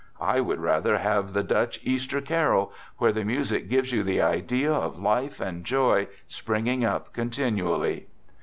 I would rather have the Dutch Easter Carol, where the music gives you the idea of life and joy springing up continually.